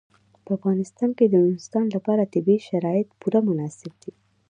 په افغانستان کې د نورستان لپاره طبیعي شرایط پوره مناسب دي.